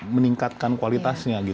meningkatkan kualitasnya gitu